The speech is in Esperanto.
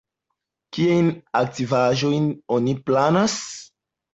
Kiajn aktivaĵojn oni planas?